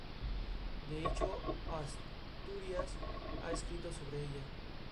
El nombre del plato está compuesto en alemán de: sole salmuera y ei huevo.